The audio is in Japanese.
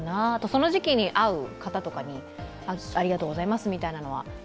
その時期に会う方とかに、ありがとうございますみたいなのは。